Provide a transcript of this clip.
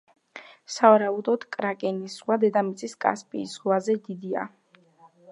სავარაუდოდ, კრაკენის ზღვა დედამიწის კასპიის ზღვაზე დიდია.